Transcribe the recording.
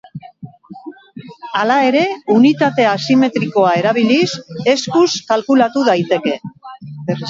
Hala ere, unitate asimetrikoa erabiliz eskuz kalkulatu daiteke.